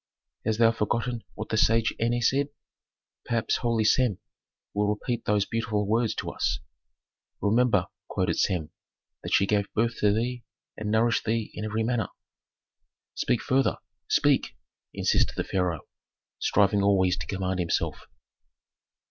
"Hast thou forgotten what the sage Eney said? Perhaps holy Sem will repeat those beautiful words to us." "Remember," quoted Sem, "that she gave birth to thee and nourished thee in every manner " "Speak further; speak!" insisted the pharaoh, striving always to command himself.